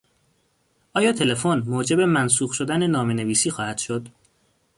آیا تلفن موجب منسوخ شدن نامهنویسی خواهد شد؟